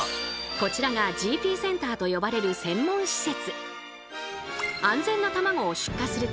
こちらがＧＰセンターと呼ばれる専門施設。